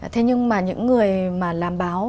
thế nhưng mà những người mà làm báo